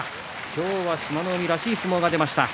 今日は志摩ノ海らしい相撲が出ました。